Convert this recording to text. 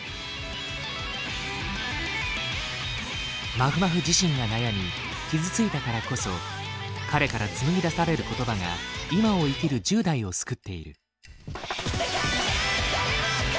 まふまふ自身が悩み傷ついたからこそ彼から紡ぎ出される言葉が今を生きる１０代を救っている。